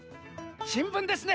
しんぶんですね。